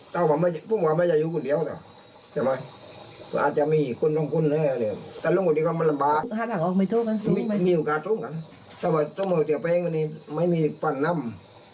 ถ้าว่าต้องเอาเดี๋ยวไปไม่มีพันธุ์น้ำ